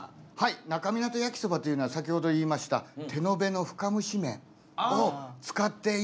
那珂湊焼きそばというのは先ほど言いました手延べの深蒸し麺を使っていればもう那珂湊焼きそばなんです。